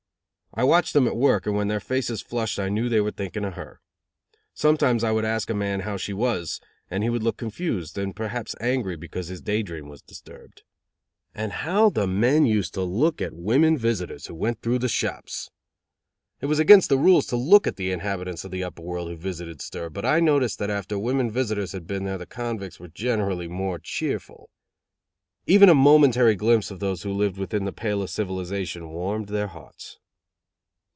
I watched them at work and when their faces flushed I knew they were thinking of Her. Sometimes I would ask a man how She was, and he would look confused, and perhaps angry because his day dream was disturbed. And how the men used to look at women visitors who went through the shops! It was against the rules to look at the inhabitants of the Upper World who visited stir, but I noticed that after women visitors had been there the convicts were generally more cheerful. Even a momentary glimpse of those who lived within the pale of civilization warmed their hearts.